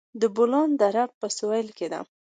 د بولان دره په سویل کې ده